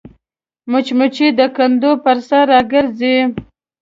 مچمچۍ د کندو پر سر راګرځي